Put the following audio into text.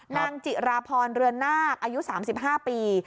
นางจิราพรเรือนนาคอายุ๓๕ปี